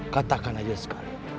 katakan aja sekali